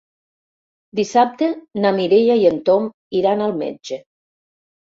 Dissabte na Mireia i en Tom iran al metge.